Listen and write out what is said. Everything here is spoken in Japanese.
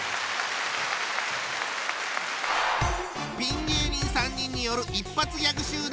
ピン芸人３人による一発ギャグ集団！